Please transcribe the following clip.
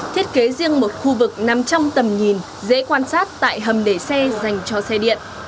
thiết kế riêng một khu vực nằm trong tầm nhìn dễ quan sát tại hầm để xe dành cho xe điện